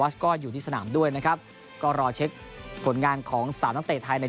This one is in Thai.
ก็อยู่ที่สนามด้วยนะครับก็รอเช็คผลงานของสามนักเตะไทยใน